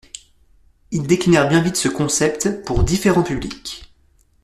Ils déclinèrent bien vite ce concept pour différents publics.